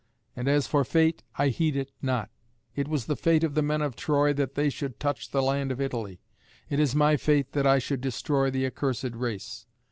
And as for fate, I heed it not. It was the fate of the men of Troy that they should touch the land of Italy. It is my fate that I should destroy the accursed race.